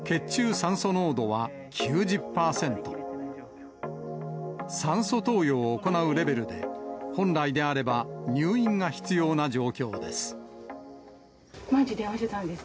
酸素投与を行うレベルで本来であれば、入院が必要な状況です。